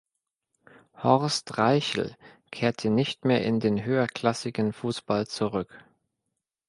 Horst Reichel kehrte nicht mehr in den höherklassigen Fußball zurück.